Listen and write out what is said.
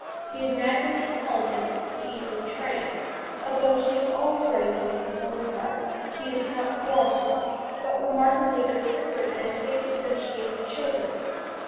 He is naturally intelligent and easily trained. Although he is always ready to take his own part, he is not quarrelsome, but remarkably good tempered and a safe associate of children.